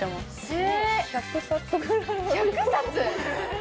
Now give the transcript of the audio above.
え！